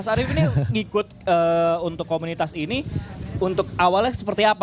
mas arief ini ngikut untuk komunitas ini untuk awalnya seperti apa